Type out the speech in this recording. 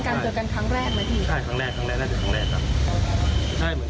ขึ้นรถนี่เราไม่รู้ไม่รู้เลย